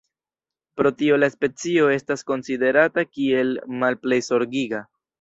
Pro tio la specio estas konsiderata kiel "Malplej Zorgiga".